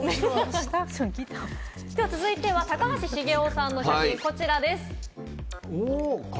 続いては高橋茂雄さんの写真、こちらです。